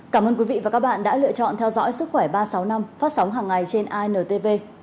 cảm ơn quý vị và các bạn đã lựa chọn theo dõi sức khỏe ba trăm sáu mươi năm phát sóng hàng ngày trên intv